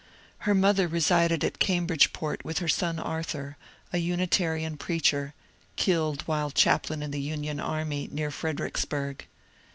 Her mother resided at Cambridgeport with her son Arthur, a Unitarian preacher (killed while chaplain in the Union army near Fredericks burg).